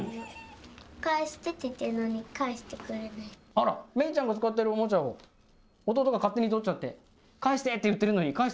あらめいちゃんが使ってるオモチャを弟が勝手に取っちゃって「返して」って言ってるのに返してくれない。